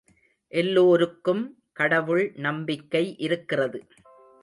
எல்லோருக்கும் கடவுள் நம்பிக்கை இருக்கிறது.